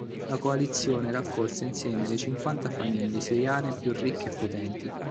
La coalizione raccolse insieme le cinquanta famiglie siriane più ricche e potenti.